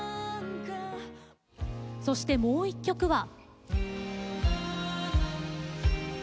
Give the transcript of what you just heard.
そしてもう１曲は。